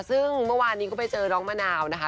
ซึ่งเมื่อวานนี้ก็ไปเจอน้องมะนาวนะคะ